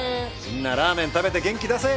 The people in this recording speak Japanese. みんなラーメン食べて元気出せ！